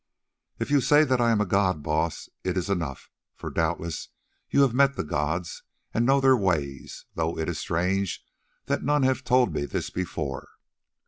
"If you say that I am a god, Baas, it is enough, for doubtless you have met the gods and know their ways, though it is strange that none have told me this before.